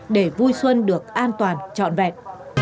để vui xuân được an toàn trọn vẹn